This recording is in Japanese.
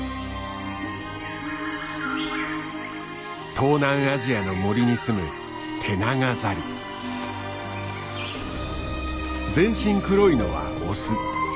東南アジアの森にすむ全身黒いのはオス。